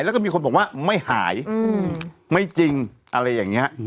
แล้วก็มีคนบอกว่าไม่หายไม่จริงอะไรอย่างนี้